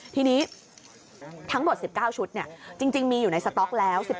ทีนี้ทั้งหมด๑๙ชุดจริงมีอยู่ในสต๊อกแล้ว